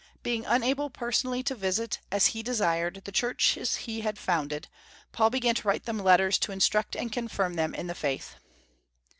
Being unable personally to visit, as he desired, the churches he had founded, Paul began to write to them letters to instruct and confirm them in the faith.